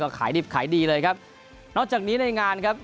ขายดิบขายดีเลยครับนอกจากนี้ในงานครับ